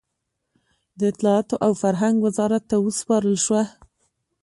د اطلاعاتو او فرهنګ وزارت ته وسپارل شوه.